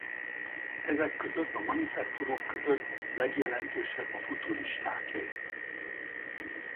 Ezek között a manifesztumok között legjelentősebb a futuristáké.